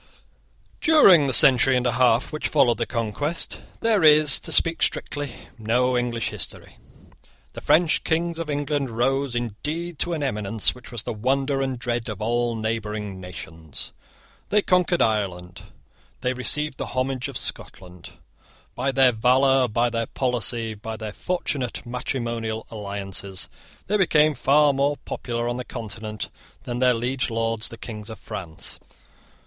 During the century and a half which followed the Conquest, there is, to speak strictly, no English history. The French Kings of England rose, indeed, to an eminence which was the wonder and dread of all neighbouring nations. They conquered Ireland. They received the homage of Scotland. By their valour, by their policy, by their fortunate matrimonial alliances, they became far more popular on the Continent than their liege lords the Kings of France.